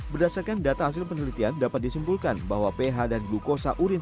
berdasarkan data hasil penelitian dapat disimpulkan bahwa ph dan glukosa urin